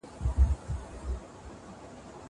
پر خاوند باندي د ميرمني لور حرامه ده.